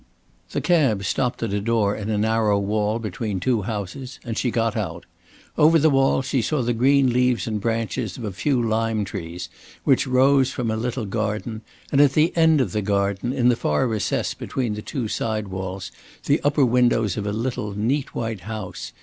The cab stopped at a door in a narrow wall between two houses, and she got out. Over the wall she saw the green leaves and branches of a few lime trees which rose from a little garden, and at the end of the garden, in the far recess between the two side walls, the upper windows of a little neat white house.